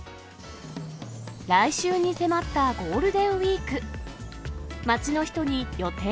来週に迫ったゴールデンウィーク。